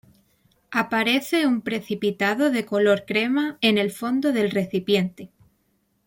Aparece un precipitado de color crema en el fondo del recipiente.